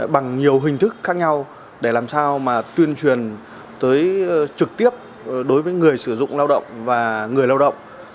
bằng nhiều hình thức khác nhau để làm sao mà tuyên truyền trực tiếp đối với người sử dụng lao động và người lao động